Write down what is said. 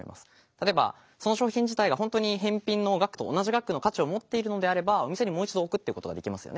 例えばその商品自体が本当に返品の額と同じ額の価値を持っているのであればお店にもう一度置くっていうことができますよね。